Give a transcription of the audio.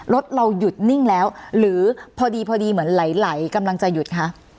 รถเราหยุดนิ่งแล้วหรือพอดีพอดีเหมือนไหลกำลังจะหยุดคะ